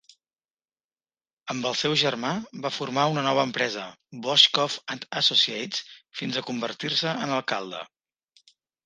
Amb el seu germà va formar una nova empresa 'Boshcoff and Associates" fins a convertir-se en alcalde.